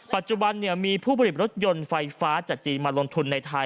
ปัจจุบันมีผู้ผลิตรถยนต์ไฟฟ้าจากจีนมาลงทุนในไทย